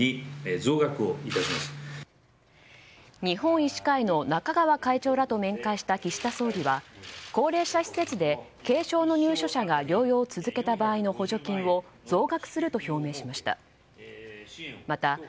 日本医師会の中川会長らと面会した岸田総理は高齢者施設で軽症の入所者が療養を続けた場合の補助金を増額すると表明しました。